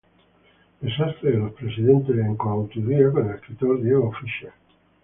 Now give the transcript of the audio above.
El Sastre de los Presidentes, en coautoría con el escritor Diego Fischer.